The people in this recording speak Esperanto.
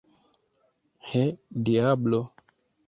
He, diablo!